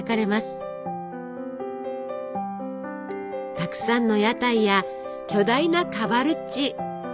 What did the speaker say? たくさんの屋台や巨大なカバルッチ！